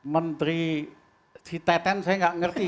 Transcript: menteri si teten saya nggak ngerti